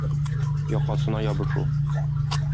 Якасына ябышу